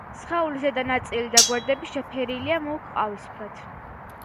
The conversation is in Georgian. სხეულის ზედა ნაწილი და გვერდები შეფერილია მუქ ყავისფრად.